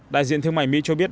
đại diện thương mại mỹ cho biết